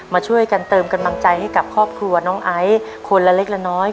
มาช่วยกันเติมกำลังใจให้กับครอบครัวน้องไอซ์คนละเล็กละน้อย